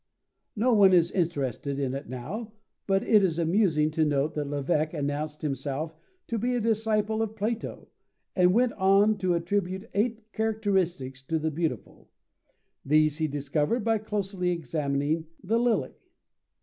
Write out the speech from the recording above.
No one is interested in it now, but it is amusing to note that Lévèque announced himself to be a disciple of Plato, and went on to attribute eight characteristics to the beautiful. These he discovered by closely examining the lily!